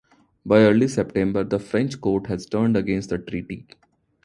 By early September the French court had turned against the treaty.